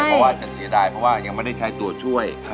ก็อฝากจะเสียดายเพราะว่ายังไม่ได้ใช้ตัวช่วย